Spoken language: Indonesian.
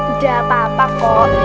udah apa apa kok